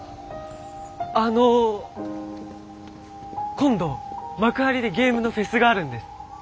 今度幕張でゲームのフェスがあるんです。